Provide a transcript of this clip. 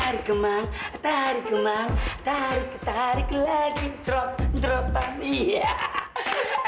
tarik kemang tarik kemang tarik ke tarik lagi cerot cerotan iya